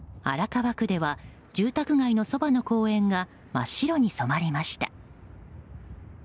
荒川区では住宅街のそばの公園が真っ白に染まりました。